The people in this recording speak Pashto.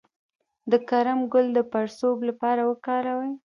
د کرم ګل د پړسوب لپاره وکاروئ